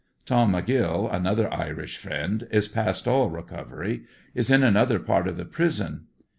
Tom McGrill, another Irish friend, is past all recovery; is in another part of the prison.